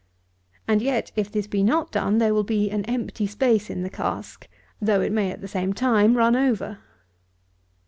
And yet, if this be not done, there will be an empty space in the cask, though it may, at the same time, run over.